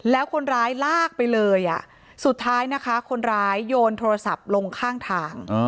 แล้วคนร้ายลากไปเลยสุดท้ายนะคะคนร้ายโยนโทรศัพท์ลงข้างทาง